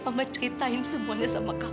mama ceritain semuanya sama kamu